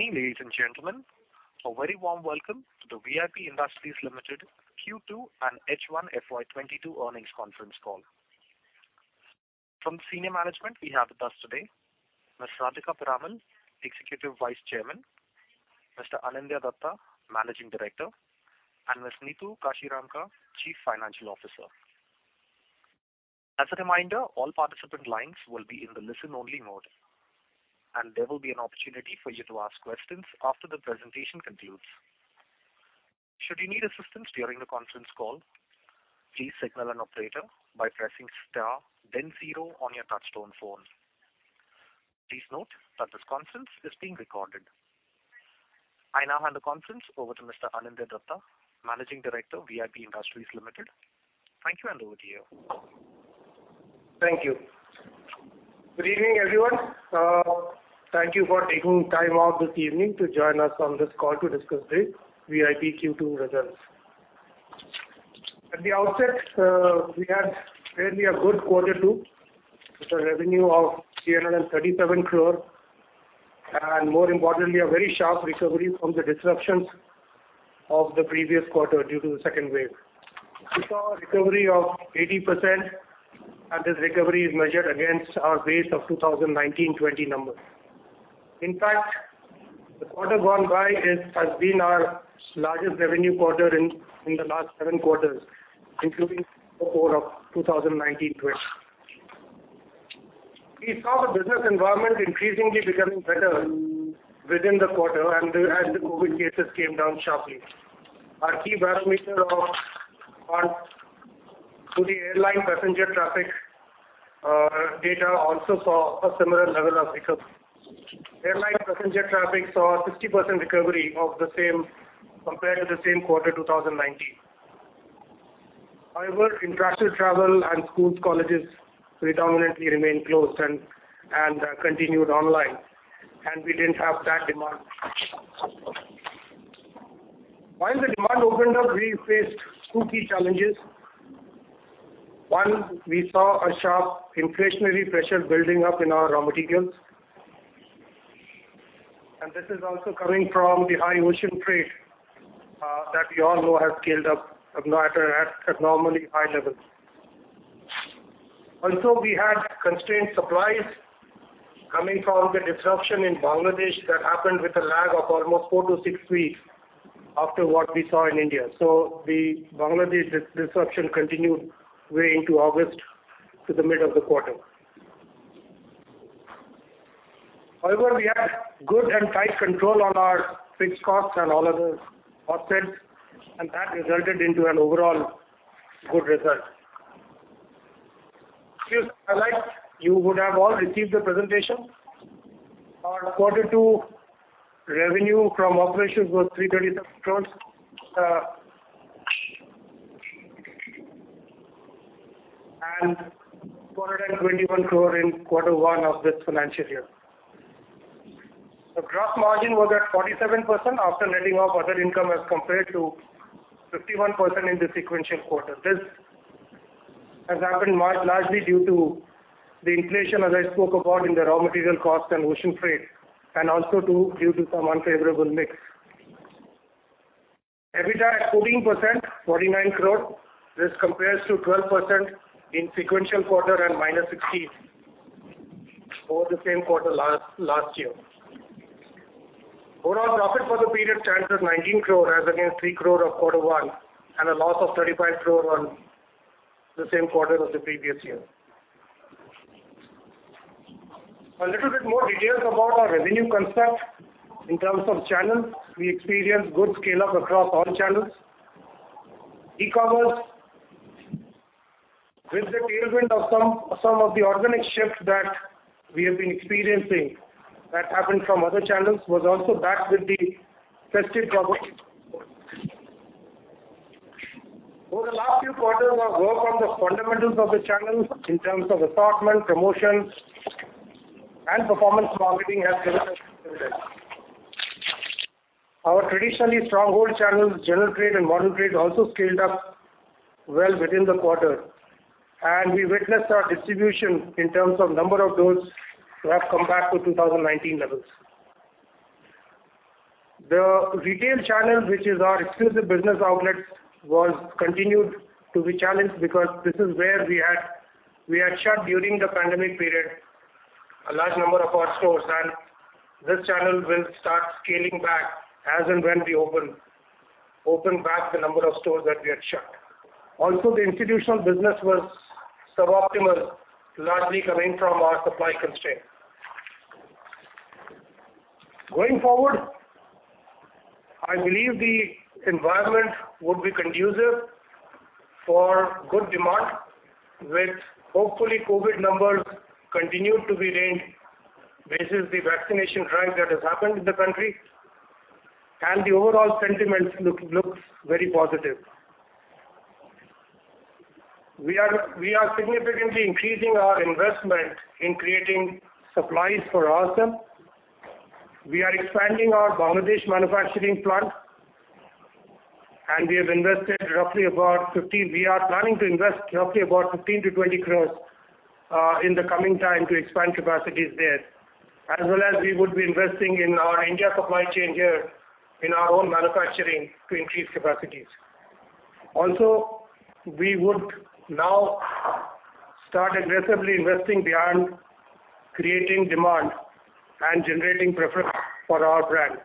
Good evening, ladies and gentlemen. A very warm welcome to the VIP Industries Limited Q2 and H1 FY22 earnings conference call. From senior management, we have with us today: Ms. Radhika Piramal, Executive Vice Chairman; Mr. Anindya Dutta, Managing Director; and Ms. Neetu Kashiramka, Chief Financial Officer. As a reminder, all participant lines will be in the listen-only mode, and there will be an opportunity for you to ask questions after the presentation concludes. Should you need assistance during the conference call, please signal an operator by pressing star, then 0 on your touch-tone phone. Please note that this conference is being recorded. I now hand the conference over to Mr. Anindya Dutta, Managing Director, VIP Industries Limited. Thank you, and over to you. Thank you. Good evening, everyone. Thank you for taking time out this evening to join us on this call to discuss the V.I.P. Q2 results. At the outset, we had a fairly good quarter two with a revenue of 337 crore, and more importantly, a very sharp recovery from the disruptions of the previous quarter due to the second wave. We saw a recovery of 80%, and this recovery is measured against our base of 2019-20 numbers. In fact, the quarter gone by has been our largest revenue quarter in the last seven quarters, including Q4 of 2019-20. We saw the business environment increasingly becoming better within the quarter and as the COVID cases came down sharply. Our key barometer, the airline passenger traffic data, also saw a similar level of recovery. Airline passenger traffic saw a 60% recovery of the same compared to the same quarter 2019. However, international travel and schools, colleges predominantly remained closed and continued online, and we didn't have that demand. While the demand opened up, we faced two key challenges. One, we saw a sharp inflationary pressure building up in our raw materials, and this is also coming from the high ocean freight, that we all know has scaled up abnormally at an abnormally high level. Also, we had constrained supplies coming from the disruption in Bangladesh that happened with a lag of almost 4-6 weeks after what we saw in India. So the Bangladesh disruption continued way into August to the mid of the quarter. However, we had good and tight control on our fixed costs and all other offsets, and that resulted into an overall good result. If you highlight, you would have all received the presentation. Our quarter two revenue from operations was 337 crore, and 421 crore in quarter one of this financial year. The gross margin was at 47% after netting off other income as compared to 51% in the sequential quarter. This has happened largely due to the inflation as I spoke about in the raw material costs and ocean freight, and also due to some unfavorable mix. EBITDA at 14%, 49 crore, this compares to 12% in sequential quarter and -16% over the same quarter last year. Overall profit for the period stands at 19 crore as against 3 crore of quarter one and a loss of 35 crore on the same quarter of the previous year. A little bit more details about our revenue concept in terms of channels. We experienced good scale-up across all channels. E-commerce, with the tailwind of some of the organic shift that we have been experiencing that happened from other channels, was also backed with the festive season. Over the last few quarters, our work on the fundamentals of the channel in terms of assortment, promotion, and performance marketing has given us dividends. Our traditional stronghold channels, general trade and modern trade, also scaled up well within the quarter, and we witnessed our distribution in terms of number of towns that have come back to 2019 levels. The retail channel, which is our exclusive business outlets, continued to be challenged because this is where we had shut during the pandemic period a large number of our stores, and this channel will start scaling up as and when we open back the number of stores that we had shut. Also, the institutional business was suboptimal, largely coming from our supply constraint. Going forward, I believe the environment would be conducive for good demand with, hopefully, COVID numbers continued to be reined basis the vaccination drive that has happened in the country, and the overall sentiments looks very positive. We are significantly increasing our investment in creating supplies for ABS. We are expanding our Bangladesh manufacturing plant, and we are planning to invest roughly about 15-20 crore in the coming time to expand capacities there, as well as we would be investing in our India supply chain here in our own manufacturing to increase capacities. Also, we would now start aggressively investing beyond creating demand and generating preference for our brand,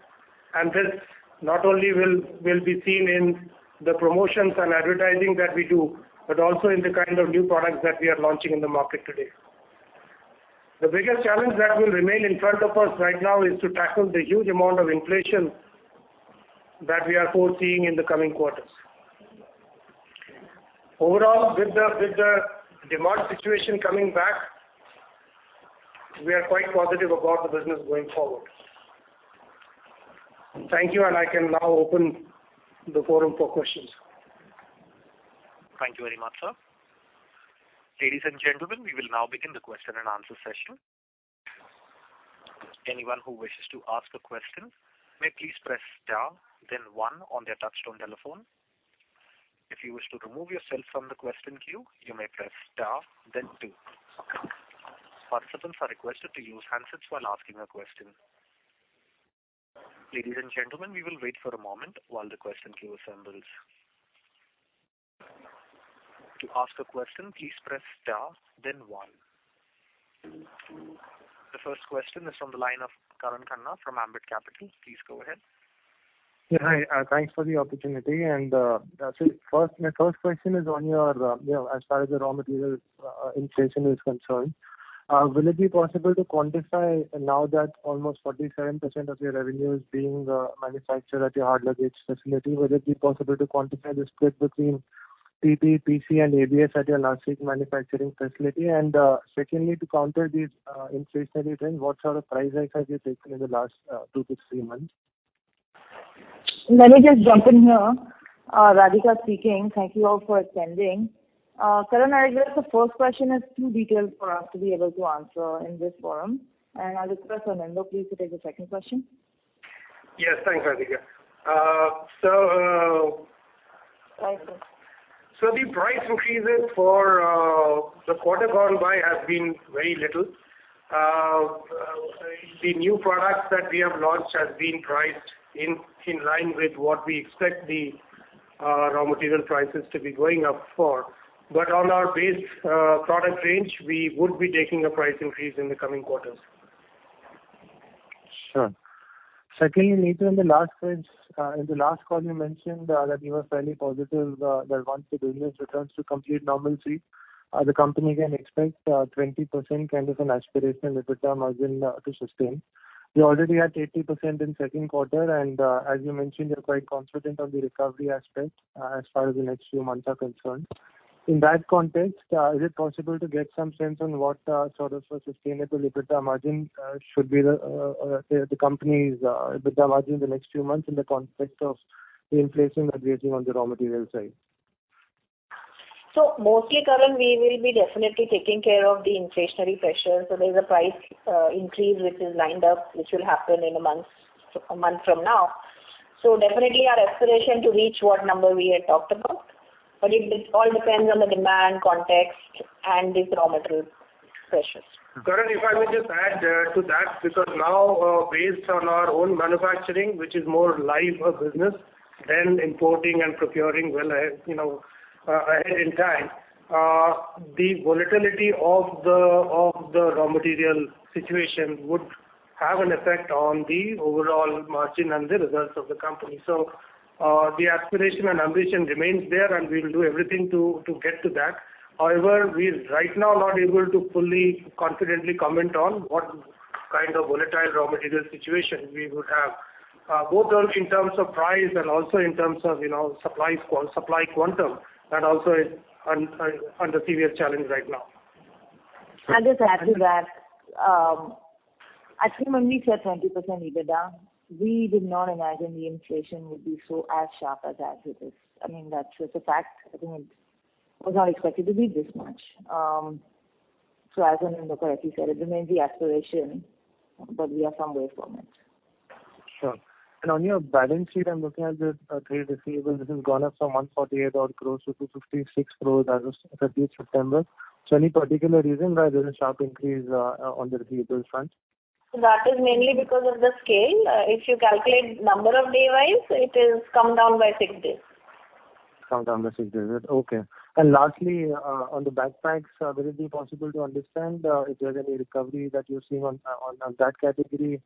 and this not only will be seen in the promotions and advertising that we do, but also in the kind of new products that we are launching in the market today. The biggest challenge that will remain in front of us right now is to tackle the huge amount of inflation that we are foreseeing in the coming quarters. Overall, with the demand situation coming back, we are quite positive about the business going forward. Thank you, and I can now open the forum for questions. Thank you very much, sir. Ladies and gentlemen, we will now begin the question-and-answer session. Anyone who wishes to ask a question may please press star, then one on their touch-tone telephone. If you wish to remove yourself from the question queue, you may press star, then 2. Participants are requested to use handsets while asking a question. Ladies and gentlemen, we will wait for a moment while the question queue assembles. To ask a question, please press star, then 1. The first question is from the line of Karan Khanna from Ambit Capital. Please go ahead. Yeah, hi. Thanks for the opportunity. So first, my first question is on your, you know, as far as the raw material inflation is concerned. Will it be possible to quantify now that almost 47% of your revenue is being manufactured at your hard luggage facility? Will it be possible to quantify the split between PP, PC, and ABS at your Nashik manufacturing facility? And, secondly, to counter these inflationary trends, what sort of price hikes have you taken in the last two to three months? Let me just jump in here. Radhika speaking. Thank you all for attending. Karan and I guess the first question is too detailed for us to be able to answer in this forum, and I'll request Anindya, please, to take the second question. Yes, thanks, Radhika. So, Pricing. So the price increases for the quarter gone by have been very little. The new products that we have launched have been priced in line with what we expect the raw material prices to be going up for. But on our base product range, we would be taking a price increase in the coming quarters. Sure. Secondly, Neetu, in the last phrase in the last call, you mentioned that you were fairly positive that once the business returns to complete normalcy as a company, you can expect 20% kind of an aspirational EBITDA margin to sustain. You already had 80% in second quarter, and as you mentioned, you're quite confident on the recovery aspect as far as the next few months are concerned. In that context, is it possible to get some sense on what sort of a sustainable EBITDA margin should be the company's EBITDA margin in the next few months in the context of the inflation that we are seeing on the raw material side? So mostly, Karan, we will be definitely taking care of the inflationary pressure. So there's a price increase which is lined up which will happen in a month's a month from now. So definitely, our aspiration is to reach what number we had talked about, but it all depends on the demand context and these raw material pressures. Karan, if I may just add to that, because now, based on our own manufacturing, which is more like a business than importing and procuring well ahead, you know, ahead in time, the volatility of the raw material situation would have an effect on the overall margin and the results of the company. So, the aspiration and ambition remains there, and we will do everything to get to that. However, we're right now not able to fully confidently comment on what kind of volatile raw material situation we would have, both in terms of price and also in terms of, you know, supply quantum, that also is under severe challenge right now. I'll just add to that. I think when we said 20% EBITDA, we did not imagine the inflation would be so sharp as it is. I mean, that's just a fact. I think it was not expected to be this much. So, as Anindya correctly said, it remains the aspiration, but we are some way from it. Sure. And on your balance sheet, I'm looking at the trade receivables. This has gone up from 148 odd crores to 256 crores as of this September. So any particular reason why there's a sharp increase on the receivables front? That is mainly because of the scale. If you calculate number of day-wise, it has come down by six days. It's come down by six days. Okay. And lastly, on the backpacks, will it be possible to understand if there's any recovery that you're seeing on, on, that category,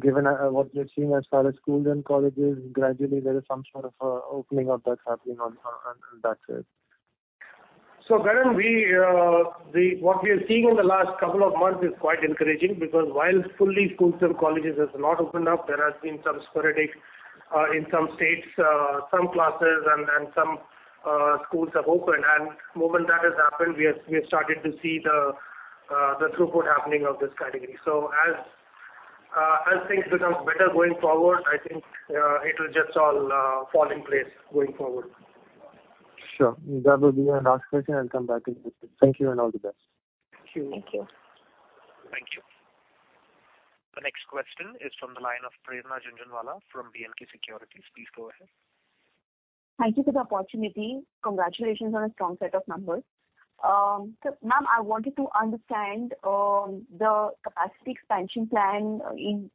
given what you're seeing as far as schools and colleges, gradually there is some sort of opening of that happening on, on, on that side? So, Karan, what we are seeing in the last couple of months is quite encouraging because while fully schools and colleges have not opened up, there has been some sporadic in some states some classes and some schools have opened. And the moment that has happened, we have started to see the throughput happening of this category. So as things become better going forward, I think it will just all fall in place going forward. Sure. That will be our last question. I'll come back in a bit. Thank you and all the best. Thank you. Thank you. Thank you. The next question is from the line of Prerna Jhunjhunwala from B&K Securities. Please go ahead. Thank you for the opportunity. Congratulations on a strong set of numbers. So, ma'am, I wanted to understand, the capacity expansion plan in,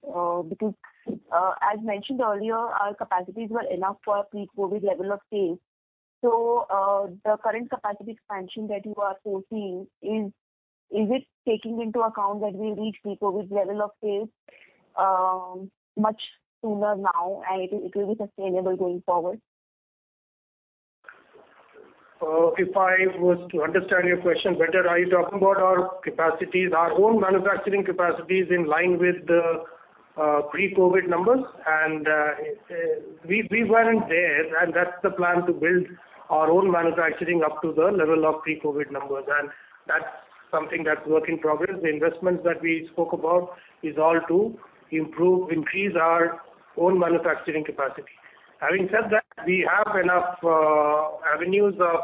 because, as mentioned earlier, our capacities were enough for a pre-COVID level of sales. So, the current capacity expansion that you are foreseeing, is it taking into account that we'll reach pre-COVID level of sales, much sooner now, and it will it will be sustainable going forward? If I was to understand your question better, are you talking about our capacities, our own manufacturing capacities in line with the pre-COVID numbers? And we weren't there, and that's the plan to build our own manufacturing up to the level of pre-COVID numbers. And that's something that's work in progress. The investments that we spoke about is all to improve increase our own manufacturing capacity. Having said that, we have enough avenues of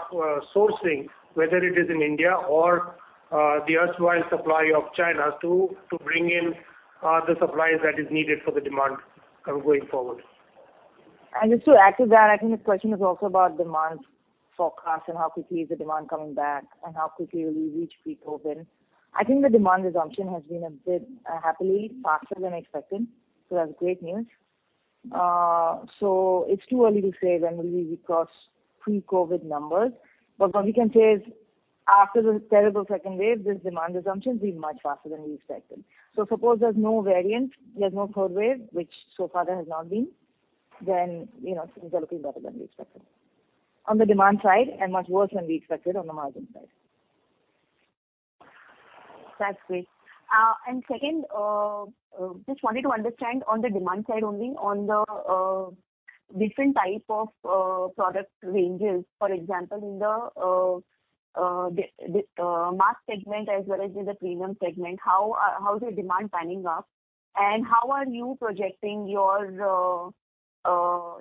sourcing, whether it is in India or the worldwide supply of China to bring in the supplies that is needed for the demand going forward. And just to add to that, I think this question is also about demand forecast and how quickly is the demand coming back and how quickly will we reach pre-COVID. I think the demand assumption has been a bit, happily faster than expected, so that's great news. So it's too early to say when will we re-cross pre-COVID numbers. But what we can say is after the terrible second wave, this demand assumption will be much faster than we expected. So suppose there's no variant, there's no third wave, which so far there has not been, then, you know, things are looking better than we expected on the demand side and much worse than we expected on the margin side. That's great. And second, just wanted to understand on the demand side only, on the different type of product ranges, for example, in the mass segment as well as in the premium segment, how is your demand panning up, and how are you projecting your,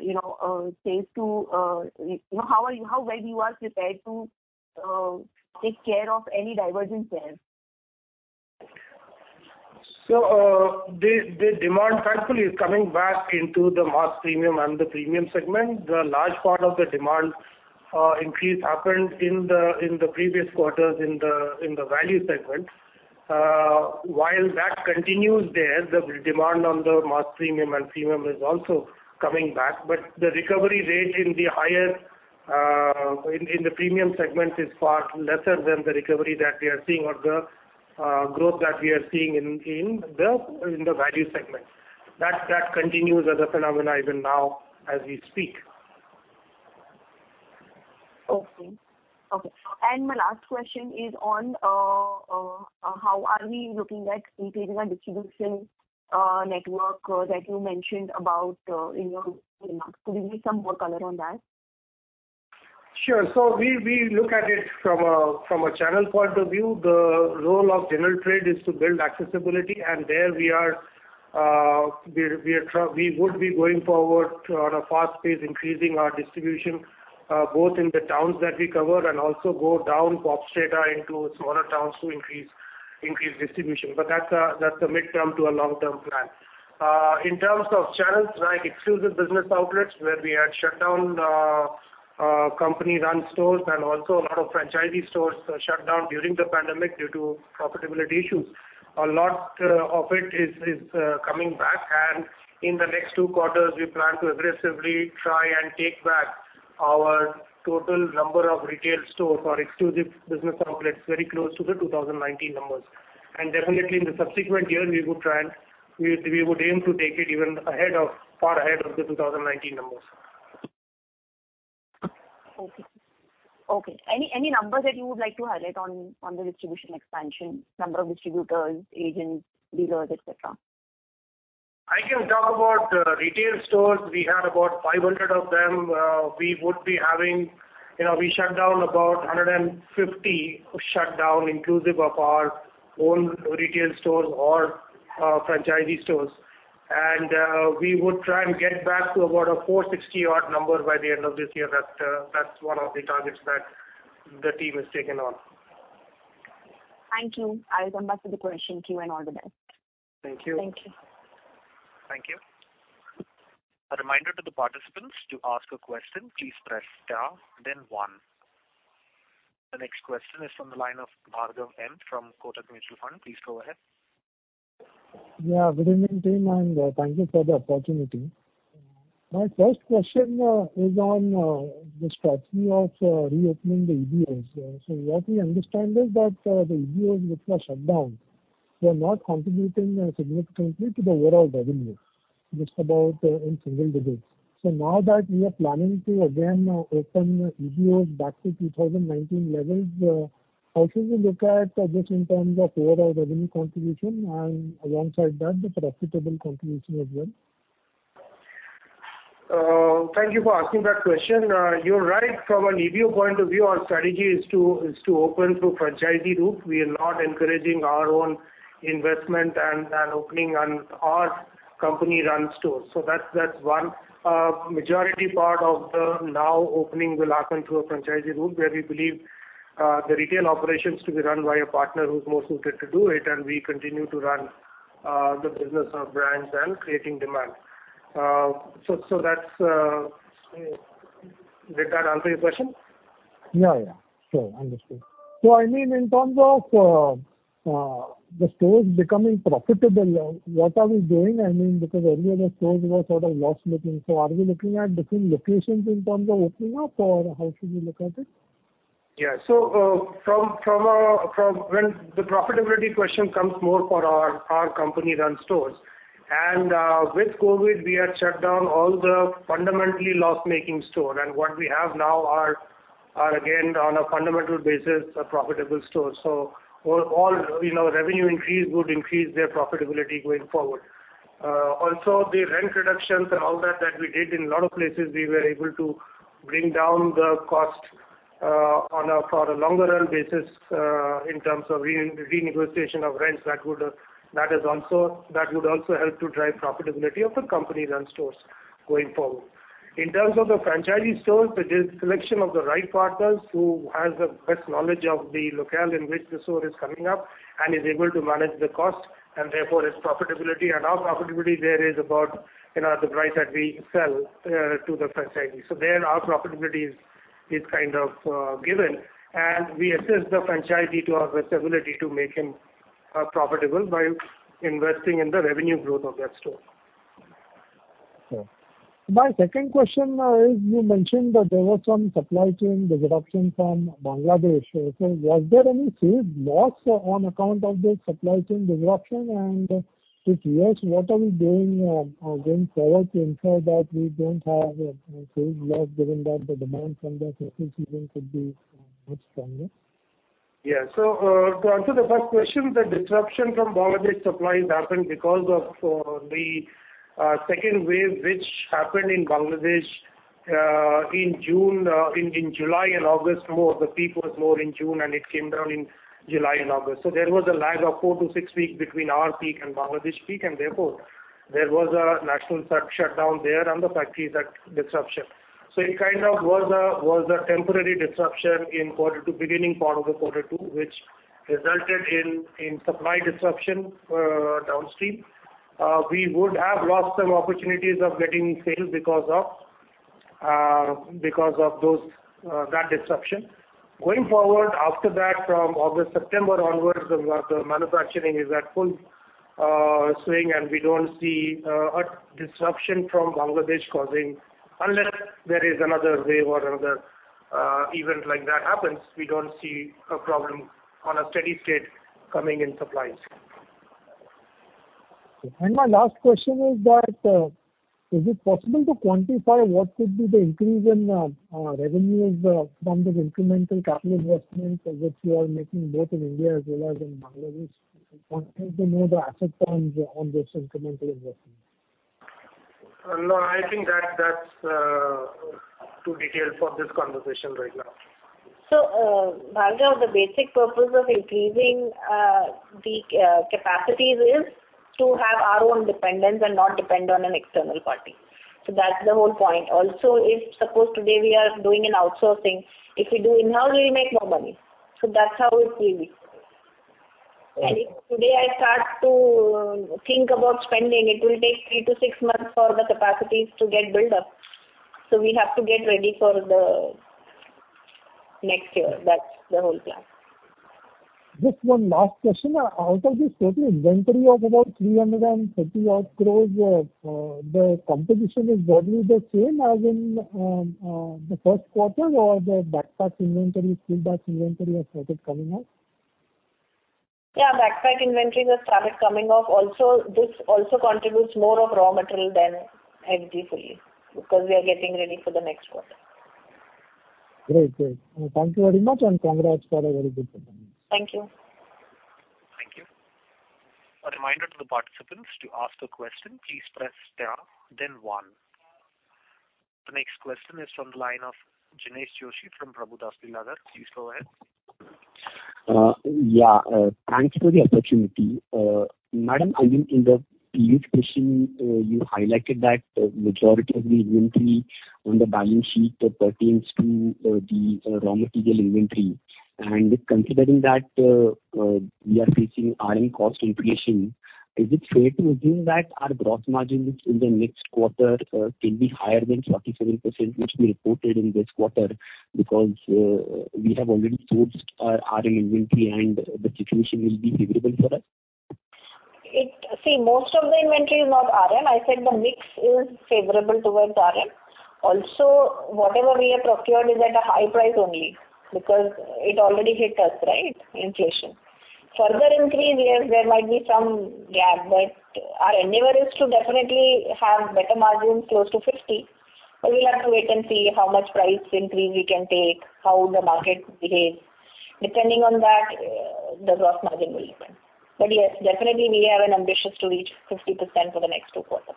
you know, sales to, you know, how well you are prepared to take care of any divergence there? So, the demand thankfully is coming back into the mass premium and the premium segment. The large part of the demand increase happened in the previous quarters in the value segment. While that continues there, the demand on the mass premium and premium is also coming back, but the recovery rate in the higher, in the premium segment is far lesser than the recovery that we are seeing or the growth that we are seeing in the value segment. That continues as a phenomenon even now as we speak. Okay. Okay. And my last question is on how are we looking at increasing our distribution network that you mentioned about in your preliminaries? Could you give some more color on that? Sure. So we look at it from a channel point of view. The role of general trade is to build accessibility, and there we would be going forward on a fast pace increasing our distribution, both in the towns that we cover and also go down penetrate into smaller towns to increase distribution. But that's a mid-term to a long-term plan. In terms of channels like exclusive business outlets where we had shut down company-run stores and also a lot of franchisee stores shut down during the pandemic due to profitability issues, a lot of it is coming back. And in the next two quarters, we plan to aggressively try and take back our total number of retail stores or exclusive business outlets very close to the 2019 numbers. Definitely, in the subsequent year, we would try and we would aim to take it even ahead of far ahead of the 2019 numbers. Okay. Any numbers that you would like to highlight on the distribution expansion, number of distributors, agents, dealers, etc.? I can talk about retail stores. We had about 500 of them. We would be having, you know, we shut down about 150 inclusive of our own retail stores or franchisee stores. We would try and get back to about a 460-odd number by the end of this year. That's one of the targets that the team has taken on. Thank you. I'll come back to the question queue and all the best. Thank you. Thank you. Thank you. A reminder to the participants to ask a question. Please press star, then one. The next question is from the line of. Please go ahead. Yeah, good evening, team, and thank you for the opportunity. My first question is on the strategy of reopening the EBOs. So what we understand is that the EBOs which were shut down were not contributing significantly to the overall revenue. It's about in single digits. So now that we are planning to again open EBOs back to 2019 levels, how should we look at this in terms of overall revenue contribution and alongside that, the profitable contribution as well? Thank you for asking that question. You're right. From an EBO point of view, our strategy is to open through franchisee route. We are not encouraging our own investment and opening on our company-run stores. So that's one. Majority part of the now opening will happen through a franchisee route where we believe the retail operations to be run by a partner who's more suited to do it, and we continue to run the business of brands and creating demand. So, did that answer your question? Yeah, yeah. Sure. Understood. So I mean, in terms of the stores becoming profitable, what are we doing? I mean, because earlier the stores were sort of loss-making. So are we looking at different locations in terms of opening up, or how should we look at it? Yeah. So, from when the profitability question comes more for our company-run stores. With COVID, we had shut down all the fundamentally loss-making stores, and what we have now are, again, on a fundamental basis, profitable stores. So all, you know, revenue increase would increase their profitability going forward. Also, the rent reductions and all that we did in a lot of places, we were able to bring down the cost, on a longer-run basis, in terms of renegotiation of rents that would also help to drive profitability of the company-run stores going forward. In terms of the franchisee stores, it is selection of the right partners who has the best knowledge of the locale in which the store is coming up and is able to manage the cost and, therefore, its profitability. Our profitability there is about, you know, at the price that we sell to the franchisee. So there, our profitability is kind of given. We assess the franchisee to our best ability to make him profitable by investing in the revenue growth of that store. Sure. My second question is, as you mentioned, there was some supply chain disruption from Bangladesh. So was there any sales loss on account of the supply chain disruption? And if yes, what are we doing, going forward, to ensure that we don't have sales loss given that the demand from the festival season could be much stronger? Yeah. So, to answer the first question, the disruption from Bangladesh supplies happened because of the second wave which happened in Bangladesh, in June, in July and August more. The peak was more in June, and it came down in July and August. So there was a lag of 4-6 weeks between our peak and Bangladesh peak, and therefore, there was a national shutdown there and the factories at disruption. So it kind of was a temporary disruption in quarter two beginning part of the quarter two which resulted in supply disruption, downstream. We would have lost some opportunities of getting sales because of those, that disruption. Going forward, after that, from August, September onwards, the manufacturing is at full swing, and we don't see a disruption from Bangladesh causing unless there is another wave or another event like that happens. We don't see a problem on a steady state coming in supplies. My last question is that, is it possible to quantify what could be the increase in revenues from this incremental capital investment which you are making both in India as well as in Bangladesh? Wanting to know the asset turns on this incremental investment. No. I think that's too detailed for this conversation right now. So, Bhargav, the basic purpose of increasing the capacities is to have our own dependence and not depend on an external party. So that's the whole point. Also, if suppose today we are doing an outsourcing, if we do in-house, we'll make more money. So that's how it will be. And if today I start to think about spending, it will take 3-6 months for the capacities to get built up. So we have to get ready for the next year. That's the whole plan. Just one last question. Out of this total inventory of about 330-odd crores, the competition is broadly the same as in the first quarter or the backpack inventory, school bags inventory has started coming up? Yeah. Backpack inventories have started coming up. Also, this also contributes more of raw material than heavy-duty fully because we are getting ready for the next quarter. Great. Great. Thank you very much, and congrats for a very good performance. Thank you. Thank you. A reminder to the participants to ask a question. Please press star, then 1. The next question is from the line of Jinesh Joshi from Prabhudas Lilladher. Please go ahead. Yeah. Thank you for the opportunity. Madam, I mean, in the previous question, you highlighted that the majority of the inventory on the balance sheet pertains to the raw material inventory. And considering that we are facing RM cost inflation, is it fair to assume that our gross margin in the next quarter can be higher than 47% which we reported in this quarter because we have already sourced our RM inventory, and the situation will be favorable for us? You see, most of the inventory is not RM. I said the mix is favorable towards RM. Also, whatever we have procured is at a high price only because it already hit us, right, inflation. Further increase, yes, there might be some gap, but our endeavor is to definitely have better margins close to 50%. But we'll have to wait and see how much price increase we can take, how the market behaves. Depending on that, the gross margin will depend. But yes, definitely, we have an ambition to reach 50% for the next two quarters.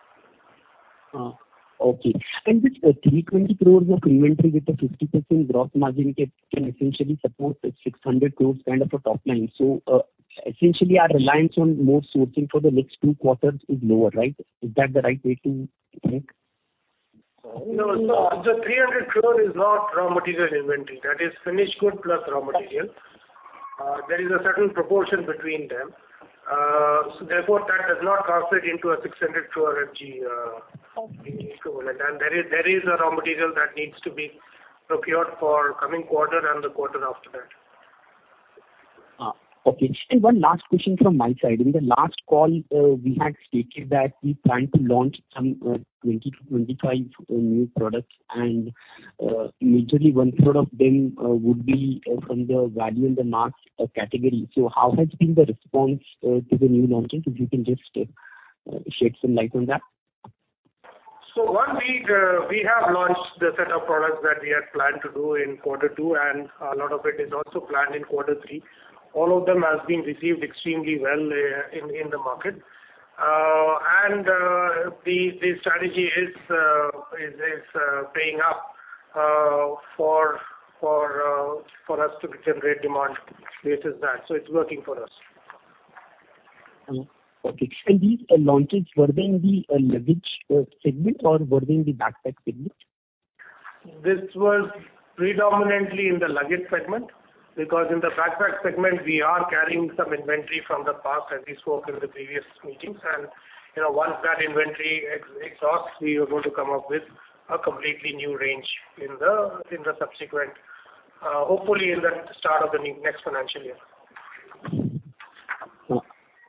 Okay. And with 320 crore of inventory with a 50% gross margin can essentially support 600 crore kind of a top line. So, essentially, our reliance on more sourcing for the next two quarters is lower, right? Is that the right way to think? No. So, 300 crore is not raw material inventory. That is finished good plus raw material. There is a certain proportion between them. So therefore, that does not translate into a 600 crore heavy-duty increment. And there is a raw material that needs to be procured for coming quarter and the quarter after that. Okay. One last question from my side. In the last call, we had stated that we plan to launch some 20-25 new products, and majorly one-third of them would be from the value and the mass category. How has been the response to the new launching? If you can just shed some light on that. So one big, we have launched the set of products that we had planned to do in quarter two, and a lot of it is also planned in quarter three. All of them have been received extremely well in the market. The strategy is paying up for us to generate demand based on that. So it's working for us. Okay. And these launches were they in the luggage segment, or were they in the backpack segment? This was predominantly in the luggage segment because in the backpack segment, we are carrying some inventory from the past, as we spoke in the previous meetings. And, you know, once that inventory exhausts, we are going to come up with a completely new range in the subsequent hopefully, in the start of the next financial year.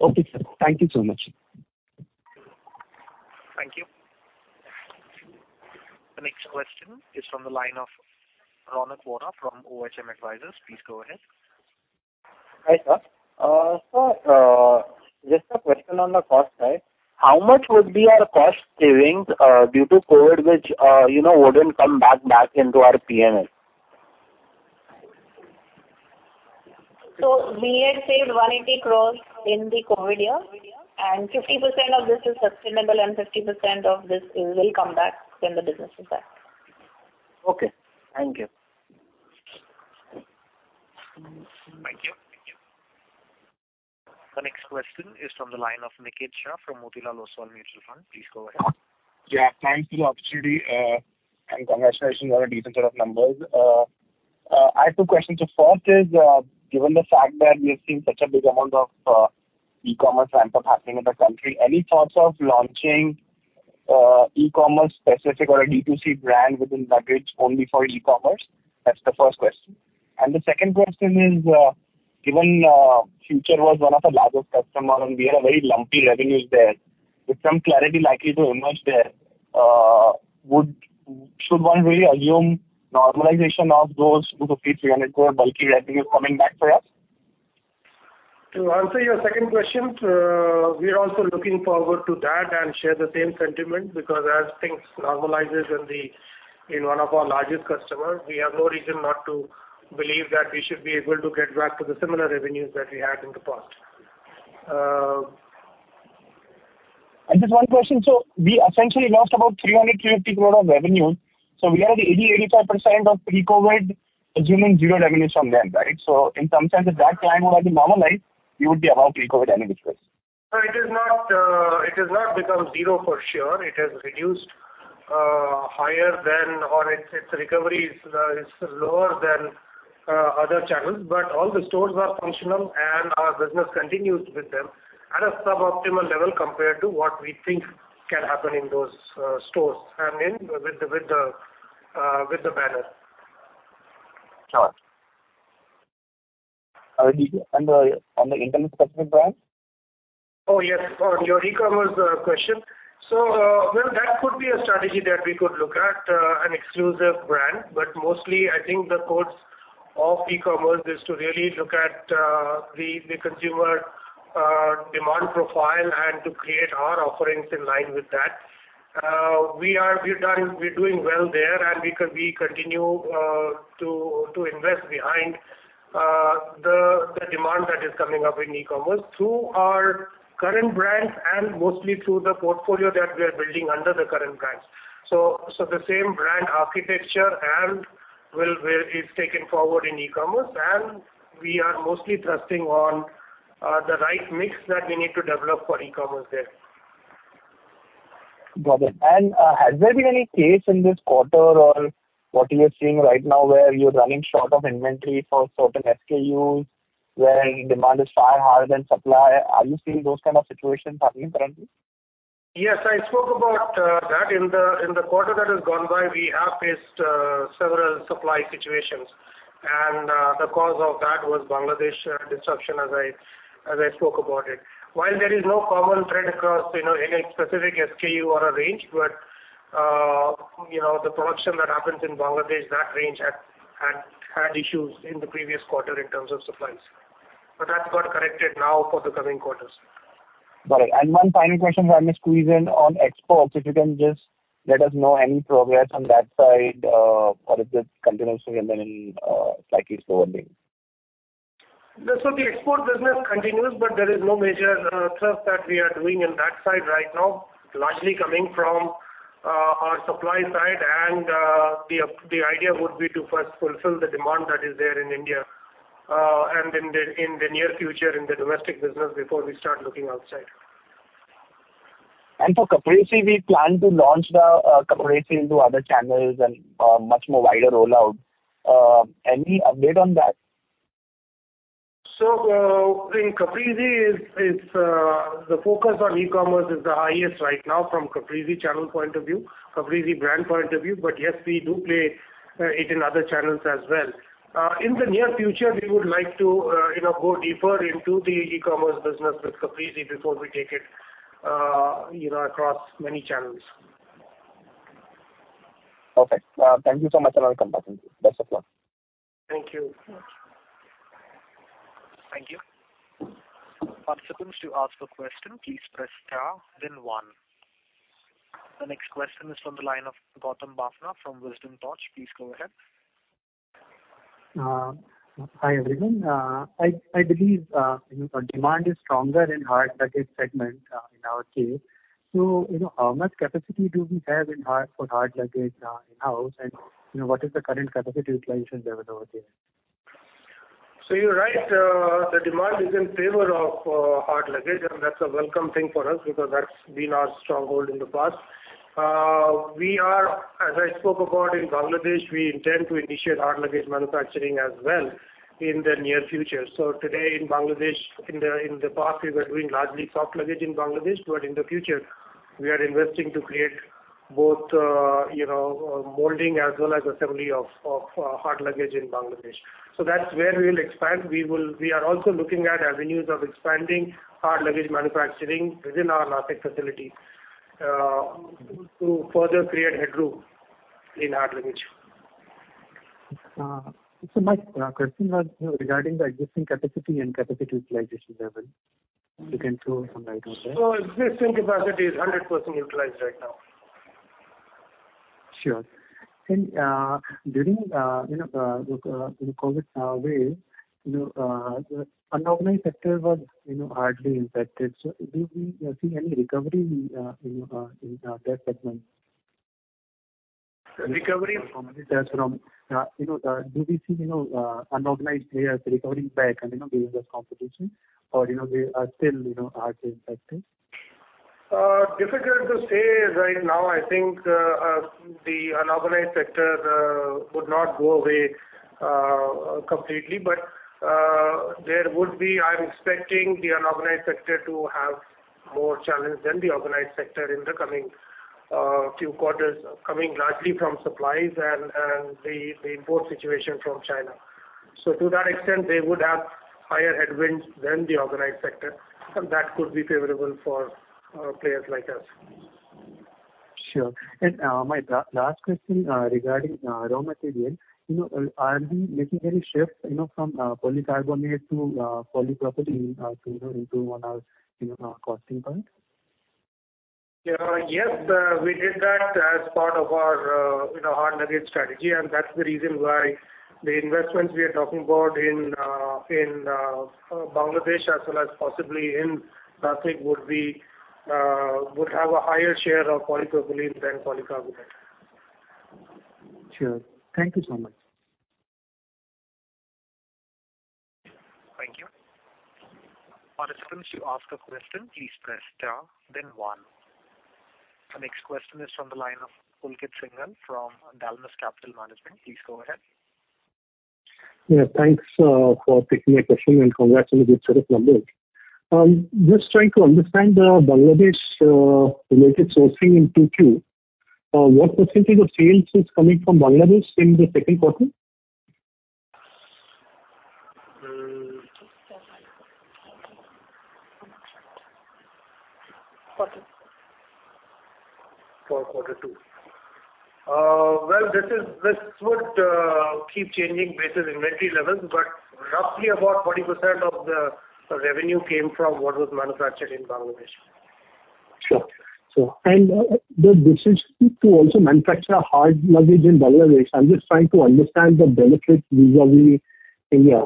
Okay, sir. Thank you so much. Thank you. The next question is from the line of Rounak Shah from OHM Advisors. Please go ahead. Hi, sir. Sir, just a question on the cost side. How much would be our cost savings, due to COVID which, you know, wouldn't come back, back into our P&L? We had saved 180 crore in the COVID year, and 50% of this is sustainable, and 50% of this will come back when the business is back. Okay. Thank you. Thank you. Thank you. The next question is from the line of Niket Shah from Motilal Oswal Mutual Fund. Please go ahead. Yeah. Thanks for the opportunity, and congratulations on a decent set of numbers. I have two questions. The first is, given the fact that we have seen such a big amount of e-commerce ramp-up happening in the country, any thoughts of launching e-commerce-specific or a D2C brand within luggage only for e-commerce? That's the first question. And the second question is, given Future was one of our largest customers, and we had a very lumpy revenues there, with some clarity likely to emerge there, would should one really assume normalization of those INR 250 crore-INR 300 crore bulky revenues coming back for us? To answer your second question, we are also looking forward to that and share the same sentiment because as things normalize in the one of our largest customers, we have no reason not to believe that we should be able to get back to the similar revenues that we had in the past. And just one question. So we essentially lost about 300-350 crore of revenues. So we are at 80%-85% of pre-COVID, assuming zero revenues from them, right? So in some sense, if that client would have been normalized, we would be above pre-COVID any which way. So it is not, it has not become zero for sure. It has reduced, higher than or its recovery is lower than other channels. But all the stores are functional, and our business continues with them at a suboptimal level compared to what we think can happen in those stores and with the banner. Sure. And the one on the intelligence-specific brand? Oh, yes. On your e-commerce question. So, well, that could be a strategy that we could look at, an exclusive brand. But mostly, I think the codes of e-commerce is to really look at the consumer demand profile and to create our offerings in line with that. We are doing well there, and we can continue to invest behind the demand that is coming up in e-commerce through our current brands and mostly through the portfolio that we are building under the current brands. So the same brand architecture will be taken forward in e-commerce, and we are mostly trusting on the right mix that we need to develop for e-commerce there. Got it. Has there been any case in this quarter or what you are seeing right now where you're running short of inventory for certain SKUs where demand is far higher than supply? Are you seeing those kind of situations happening currently? Yes. I spoke about that. In the quarter that has gone by, we have faced several supply situations. And the cause of that was Bangladesh disruption as I spoke about it. While there is no common thread across, you know, any specific SKU or a range, but you know, the production that happens in Bangladesh, that range had issues in the previous quarter in terms of supplies. But that's got corrected now for the coming quarters. Got it. One final question if I may squeeze in on exports, if you can just let us know any progress on that side, or if this continues to remain in, slightly slower pace. The export business continues, but there is no major thrust that we are doing on that side right now, largely coming from our supply side. The idea would be to first fulfill the demand that is there in India, and in the near future in the domestic business before we start looking outside. And for Caprese, we plan to launch the Caprese into other channels and much more wider rollout. Any update on that? So, in Caprese, it's the focus on e-commerce is the highest right now from Caprese channel point of view, Caprese brand point of view. But yes, we do play it in other channels as well. In the near future, we would like to, you know, go deeper into the e-commerce business with Caprese before we take it, you know, across many channels. Okay. Thank you so much, Anindya. Thank you. Best of luck. Thank you. Thank you. Participants, to ask a question, please press star, then 1. The next question is from the line of Gautam Bhayani from Wisdom Capital. Please go ahead. Hi, everyone. I, I believe, you know, demand is stronger in hard luggage segment, in our case. You know, how much capacity do we have in hard for hard luggage, in-house, and, you know, what is the current capacity utilization level over there? So you're right. The demand is in favor of hard luggage, and that's a welcome thing for us because that's been our stronghold in the past. We are, as I spoke about in Bangladesh, we intend to initiate hard luggage manufacturing as well in the near future. So today in Bangladesh, in the past, we were doing largely soft luggage in Bangladesh. But in the future, we are investing to create both, you know, molding as well as assembly of hard luggage in Bangladesh. So that's where we will expand. We are also looking at avenues of expanding hard luggage manufacturing within our Nashik facility, to further create headroom in hard luggage. My question was, you know, regarding the existing capacity and capacity utilization level. If you can throw some light on that. Existing capacity is 100% utilized right now. Sure. And during, you know, you know, COVID wave, you know, the unorganized sector was, you know, hardly impacted. So do we see any recovery in, you know, in that segment? Recovery? From the sales front, you know, do we see, you know, unorganized players recovering back and, you know, giving us competition, or, you know, they are still, you know, hardly impacted? Difficult to say right now. I think the unorganized sector would not go away completely. But there would be. I'm expecting the unorganized sector to have more challenge than the organized sector in the coming few quarters, coming largely from supplies and the import situation from China. So to that extent, they would have higher headwinds than the organized sector, and that could be favorable for players like us. Sure. My last question, regarding raw material, you know, are we making any shifts, you know, from polycarbonate to polypropylene, to you know, into on our, you know, costing part? Yeah. Yes, we did that as part of our, you know, hard luggage strategy. And that's the reason why the investments we are talking about in Bangladesh as well as possibly in Nashik would have a higher share of polypropylene than polycarbonate. Sure. Thank you so much. Thank you. Participants, to ask a question, please press star, then 1. The next question is from the line of Pulkit Singhal from Dalmus Capital Management. Please go ahead. Yeah. Thanks for taking my question, and congratulations on the sharp numbers. Just trying to understand the Bangladesh-related sourcing in Q2, what percentage of sales is coming from Bangladesh in the second quarter? For quarter two. Well, this would keep changing based on inventory levels, but roughly about 40% of the revenue came from what was manufactured in Bangladesh. Sure. Sure. The decision to also manufacture hard luggage in Bangladesh, I'm just trying to understand the benefits vis-à-vis India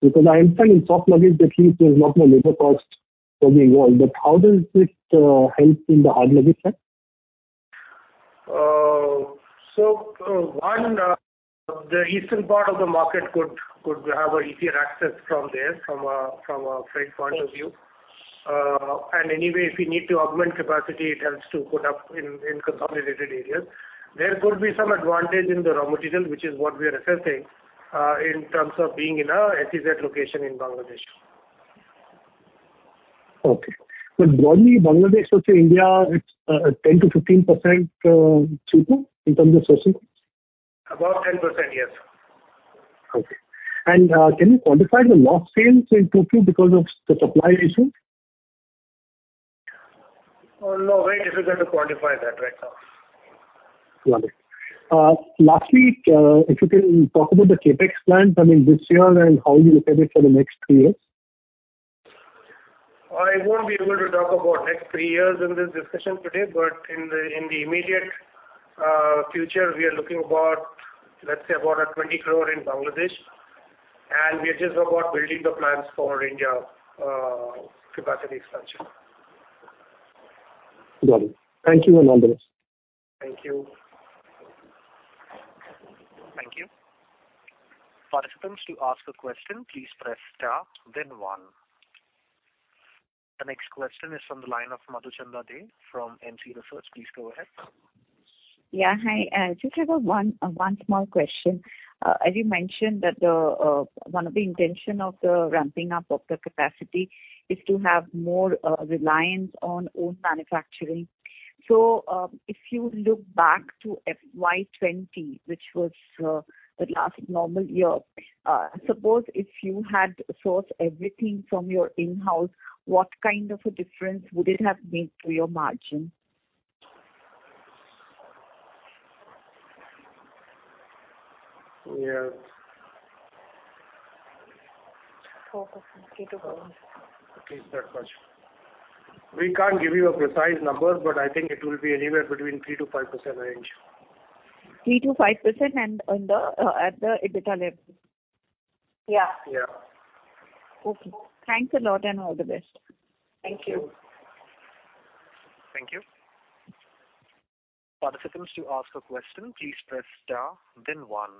because I understand in soft luggage, at least, there's not more labor cost for being worn. But how does it help in the hard luggage side? So, one, the eastern part of the market could have easier access from there from a frame point of view. And anyway, if we need to augment capacity, it helps to put up in consolidated areas. There could be some advantage in the raw material, which is what we are assessing, in terms of being in a SEZ location in Bangladesh. Okay. But broadly, Bangladesh versus India, it's 10%-15% cheaper in terms of sourcing cost? About 10%, yes. Okay. Can you quantify the lost sales in Q2 because of the supply issues? No. Very difficult to quantify that right now. Got it. Lastly, if you can talk about the CapEx plans, I mean, this year and how you look at it for the next three years? I won't be able to talk about next three years in this discussion today. But in the in the immediate future, we are looking about let's say about a 20 crore in Bangladesh. And we are just about building the plans for India, capacity expansion. Got it. Thank you, Abhineet Anand. Thank you. Thank you. Participants, to ask a question, please press star, then 1. The next question is from the line of Madhuchanda Dey from MC Research. Please go ahead. Yeah. Hi. Just have one small question. As you mentioned that the one of the intention of the ramping up of the capacity is to have more reliance on own manufacturing. So, if you look back to FY20, which was the last normal year, suppose if you had sourced everything from your in-house, what kind of a difference would it have made to your margin? Yeah. 4%. 3-5. Please start question. We can't give you a precise number, but I think it will be anywhere between 3%-5% range. 3%-5% and on the at the EBITDA level? Yeah. Yeah. Okay. Thanks a lot, and all the best. Thank you. Thank you. Participants, to ask a question, please press star, then 1.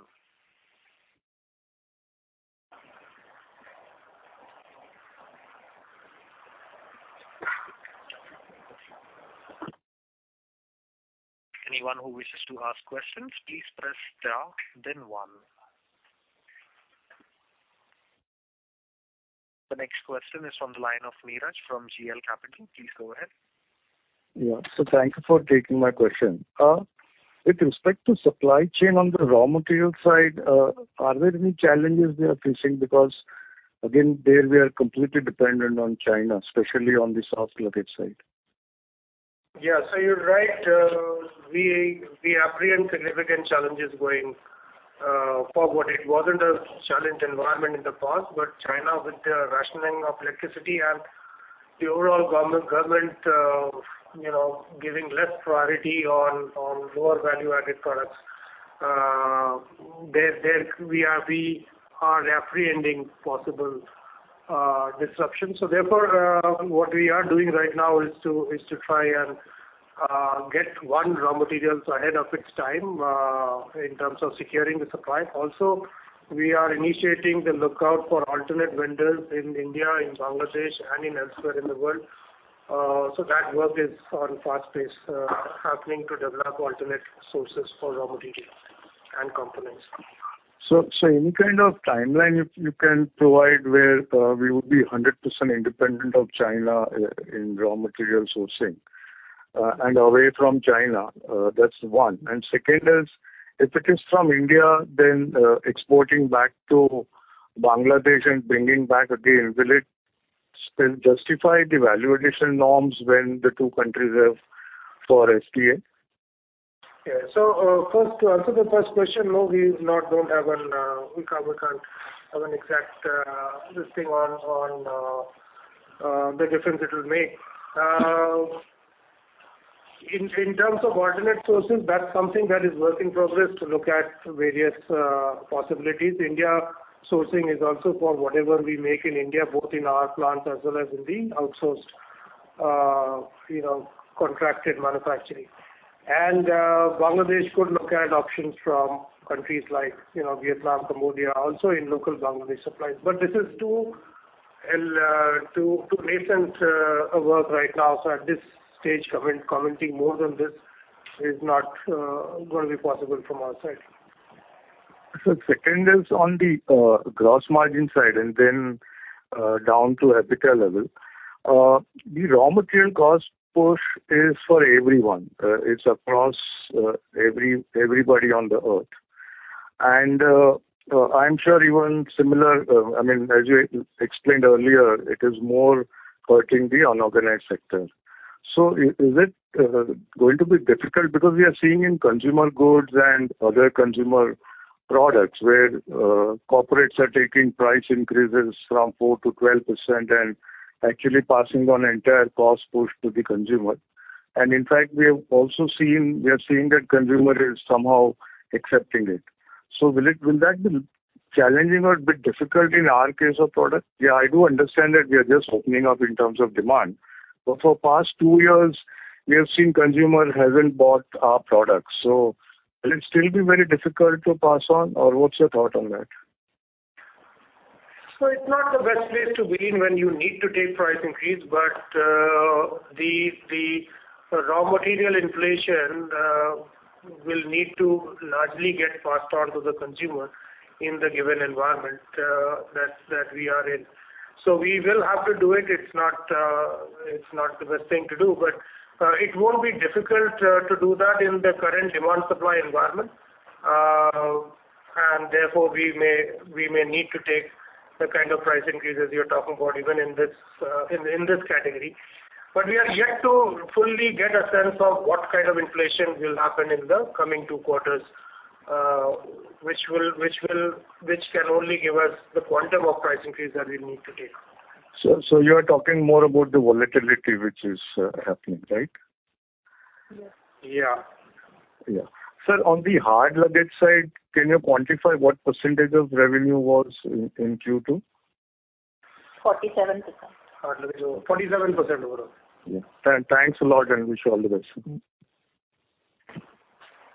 Anyone who wishes to ask questions, please press star, then 1. The next question is from the line of Neeraj from GL Capital. Please go ahead. Yeah. Thanks for taking my question. With respect to supply chain on the raw material side, are there any challenges we are facing because, again, there we are completely dependent on China, especially on the soft luggage side? Yeah. So you're right. We apprehend significant challenges going forward. It wasn't a challenging environment in the past. But China, with the rationing of electricity and the overall government, you know, giving less priority on lower value-added products, we are apprehending possible disruption. So therefore, what we are doing right now is to try and get our raw material ahead of its time, in terms of securing the supply. Also, we are initiating the lookout for alternate vendors in India, in Bangladesh, and elsewhere in the world. So that work is on fast pace happening to develop alternate sources for raw materials and components. So, any kind of timeline if you can provide where we would be 100% independent of China in raw material sourcing and away from China. That's one. Second is, if it is from India, then exporting back to Bangladesh and bringing back again, will it still justify the valuation norms when the two countries have for SAFTA? Yeah. So, first to answer the first question, no, we don't have an, we can't have an exact listing on the difference it will make. In terms of alternate sources, that's something that is work in progress to look at various possibilities. Indian sourcing is also for whatever we make in India, both in our plants as well as in the outsourced, you know, contracted manufacturing. And Bangladesh, we could look at options from countries like, you know, Vietnam, Cambodia, also in local Bangladesh supplies. But this is too early, too nascent, work right now. So at this stage, commenting more than this is not gonna be possible from our side. So second is on the gross margin side and then down to EBITDA level. The raw material cost push is for everyone. It's across everybody on the earth. And I'm sure even similar, I mean, as you explained earlier, it is more hurting the unorganized sector. So is it going to be difficult because we are seeing in consumer goods and other consumer products where corporates are taking price increases from 4%-12% and actually passing on entire cost push to the consumer. And in fact, we have also seen we are seeing that consumer is somehow accepting it. So will that be challenging or a bit difficult in our case of product? Yeah, I do understand that we are just opening up in terms of demand. But for past two years, we have seen consumer hasn't bought our products. Will it still be very difficult to pass on, or what's your thought on that? So it's not the best place to be in when you need to take price increase. But the raw material inflation will need to largely get passed on to the consumer in the given environment that we are in. So we will have to do it. It's not the best thing to do. But it won't be difficult to do that in the current demand-supply environment. And therefore, we may need to take the kind of price increases you're talking about even in this category. But we are yet to fully get a sense of what kind of inflation will happen in the coming two quarters, which will give us the quantum of price increase that we need to take. So, you are talking more about the volatility, which is happening, right? Yes. Yeah. Yeah. Sir, on the hard luggage side, can you quantify what percentage of revenue was in Q2? 47%. Hard luggage overall. 47% overall. Yeah. Thanks a lot, and wish you all the best.